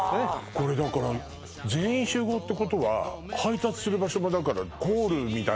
これだから「全員集合」ってことは配達する場所がだからああ